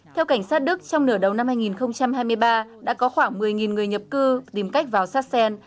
theo cảnh sát đức trong nửa đầu năm hai nghìn hai mươi ba đã có khoảng một mươi người nhập cư tìm cách vào sassen